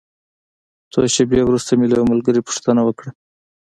څو شېبې وروسته مې له یوه ملګري پوښتنه وکړه.